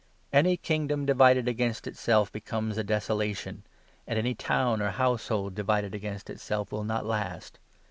"Any kingdom divided against itself becomes a desolation, and any town or household divided against itself will not last.